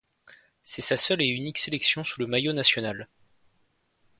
C'est sa seule et unique sélection sous le maillot national.